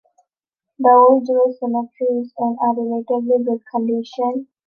The old Jewish cemetery is in a relatively good condition.